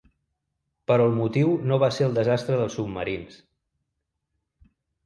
Però el motiu no va ser el desastre dels submarins.